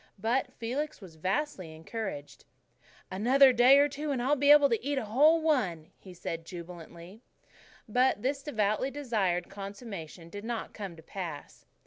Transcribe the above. But Felix was vastly encouraged. "Another prayer or two, and I'll be able to eat a whole one," he said jubilantly. But this devoutly desired consummation did not come to pass.